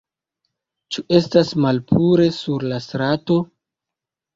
Ĉu estas malpure sur la strato?